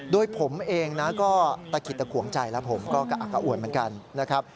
ด้วยผมเองก็ตะขิดตะขวงใจแล้วผมก็กะอักอ่วนเหมือนกัน